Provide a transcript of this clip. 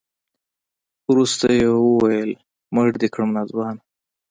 وروسته يې وويل مړ دې کړم ناځوانه.